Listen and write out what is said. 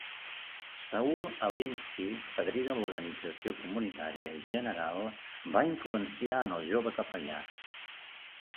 Saul Alinsky, padrí de l'organització comunitària general, va influenciar en el jove capellà.